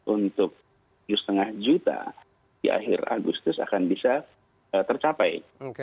untuk tujuh lima juta di akhir agustus akan bisa tercapai